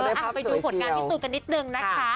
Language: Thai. อ๋อนายพักสวยเสียว